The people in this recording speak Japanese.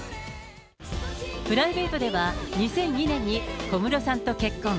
プライベートでは２００２年に小室さんと結婚。